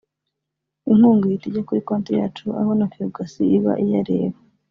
inkunga ihita ijya kuri konti yacu aho na Ferwacy iba iyareba